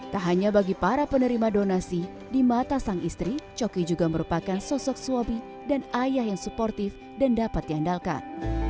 tak hanya bagi para penerima donasi di mata sang istri coki juga merupakan sosok suami dan ayah yang suportif dan dapat diandalkan